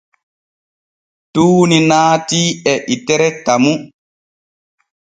Tuuni naatii e itere Tamu.